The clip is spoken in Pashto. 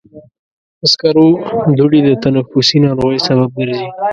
د سکرو دوړې د تنفسي ناروغیو سبب ګرځي.